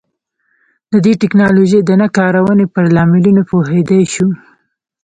د دې ټکنالوژۍ د نه کارونې پر لاملونو پوهېدای شو.